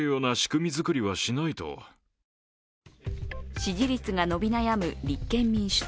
支持率が伸び悩む立憲民主党。